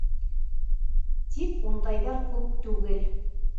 Тик ундайҙар күп түгел.